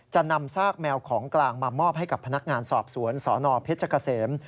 นำซากแมวของกลางมามอบให้กับพนักงานสอบสวนสนเพชรเกษม